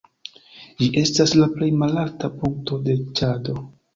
Ĝi estas la plej malalta punkto de Ĉado.